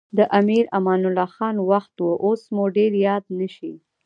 د امیر امان الله خان وخت و اوس مو ډېر یاد نه شي.